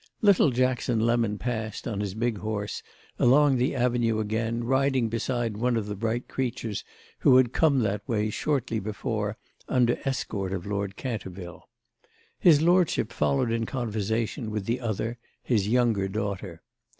Little Jackson Lemon passed, on his big horse, along the avenue again, riding beside one of the bright creatures who had come that way shortly before under escort of Lord Canterville. His lordship followed in conversation with the other, his younger daughter.